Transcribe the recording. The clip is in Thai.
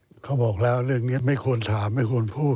แต่เขาบอกแล้วเรื่องนี้ไม่ควรถามไม่ควรพูด